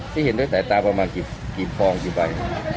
ที่เห็นด้วยสายตาประมาณกี่ฟองกี่ใบ